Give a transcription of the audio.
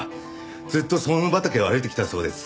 ずっと総務畑を歩いてきたそうです。